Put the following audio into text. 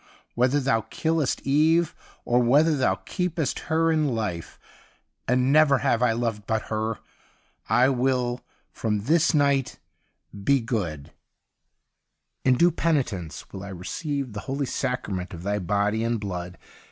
Whether Thou killest Eve or Avhether Thou keepest her in life — and never have I loved but her — I will from this night be good. Ill THE UNDYING THING In due penitence will I receive the holy Sacrament of Thy Body and Blood.